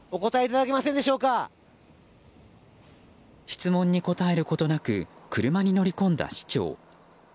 質問に答えることなく車に乗り込んだ市長。